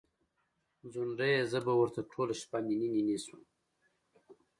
ځونډیه! زه به ورته ټوله شپه نینې نینې شوم